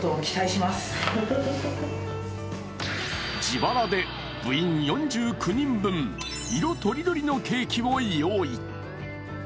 自腹で部員４９人分、色とりどりのケーキを用意。